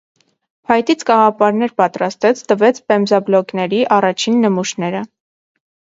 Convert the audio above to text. Փայտից կաղապարներ պատրաստեց, տվեց պեմզաբլոկների առաջին նմուշները։